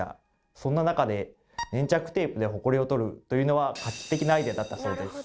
そんな中で粘着テープでホコリを取るというのは画期的なアイデアだったそうです。